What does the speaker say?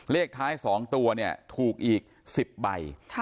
เลขท้าย๒ตัวเนี่ยถูกอีก๑๐ใบ